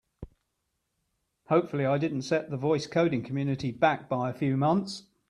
Hopefully I didn't just set the voice coding community back by a few months!